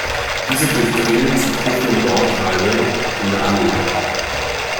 Diese durchdringen zu prüfende Bauteile in der Anlage.